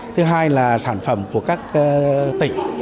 thứ hai là sản phẩm của các tỉnh